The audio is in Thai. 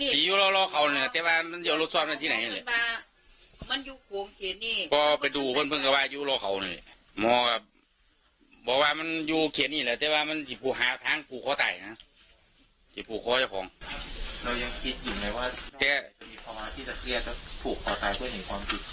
จิปุกอาทางปลูกเขาตายนะฮะจิปุกเขาจะคง